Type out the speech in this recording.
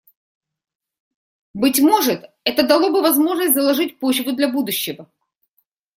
Быть может, это дало бы возможность заложить почву для будущего.